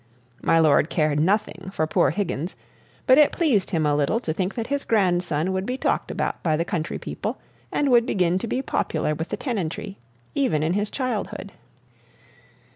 My lord cared nothing for poor Higgins, but it pleased him a little to think that his grandson would be talked about by the country people and would begin to be popular with the tenantry, even in his childhood.